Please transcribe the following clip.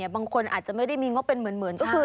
บางคนอาจไม่มีหวังว่าเป็นเหมือนก็คือ